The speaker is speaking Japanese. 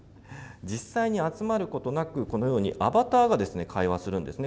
実際に集まることなく、このようにアバターが会話するんですね。